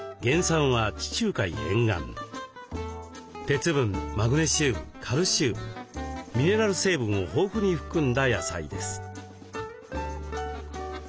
鉄分マグネシウムカルシウムミネラル成分を豊富に含んだ野菜です。